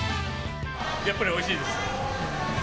やっぱりおいしいです。